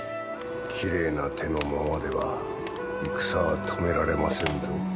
きれいな手のままでは戦は止められませぬぞ。